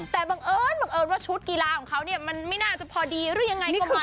แต่บังเอิญว่าชุดกีฬาของเขามันไม่น่าจะพอดีหรือยังไงก็ไม่รู้